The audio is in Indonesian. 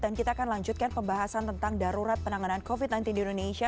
dan kita akan lanjutkan pembahasan tentang darurat penanganan covid sembilan belas di indonesia